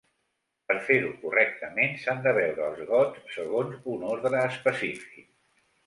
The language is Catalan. Per fer-ho correctament, s'han de veure els gots segons un ordre específic.